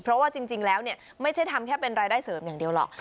เพราะว่าจริงแล้วไม่ใช่ทำแค่เป็นรายได้เสริมอย่างเดียวหรอก